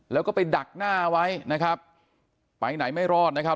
แล้วก็ไปดักหน้าไว้นะครับไปไหนไม่รอดนะครับ